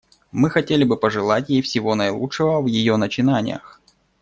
Мы хотели бы пожелать ей всего наилучшего в ее начинаниях.